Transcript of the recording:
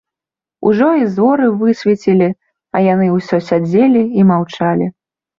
Ужо і зоры высвецілі, а яны ўсё сядзелі і маўчалі.